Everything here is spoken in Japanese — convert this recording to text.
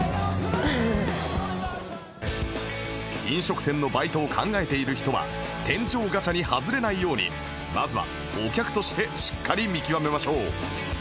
飲食店のバイトを考えている人は店長ガチャに外れないようにまずはお客としてしっかり見極めましょう